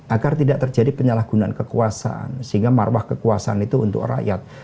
agar tidak terjadi penyalahgunaan kekuasaan sehingga marwah kekuasaan itu untuk rakyat